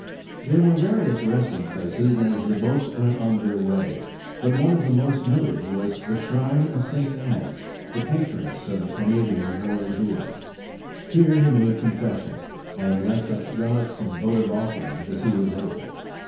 There were various resting places as the boats went on their wav, but one of the most noted was the shrine 107 The Original John Jacob Astor of Ste. Anne, the patroness of the Canadian voyageur. Here he made confession, and left such relics and vo tive offerings as he was able.